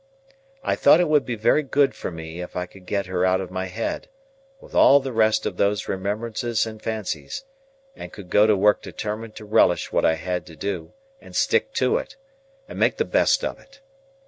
I thought it would be very good for me if I could get her out of my head, with all the rest of those remembrances and fancies, and could go to work determined to relish what I had to do, and stick to it, and make the best of it.